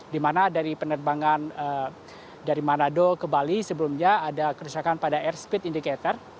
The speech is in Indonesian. di mana dari penerbangan dari manado ke bali sebelumnya ada kerusakan pada airspeed indicator